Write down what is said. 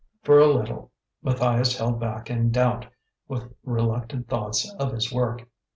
For a little Matthias held back in doubt, with reluctant thoughts of his work.